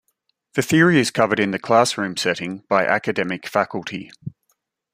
The theory is covered in the classroom setting by academic faculty.